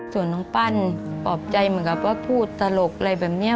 ส่วนน้องปั้นปลอบใจเหมือนกับว่าพูดตลกอะไรแบบนี้